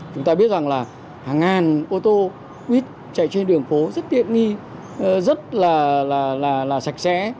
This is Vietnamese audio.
chúng ta biết rằng là hàng ngàn ô tô buýt chạy trên đường phố rất tiện nghi rất là sạch sẽ